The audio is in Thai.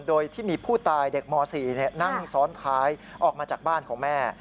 โดยที่มีผู้ตายเด็กม๔นั่งซ้อนท้ายออกมาจากบ้านของแม่